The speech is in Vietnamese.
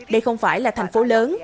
đây không phải là thành phố lớn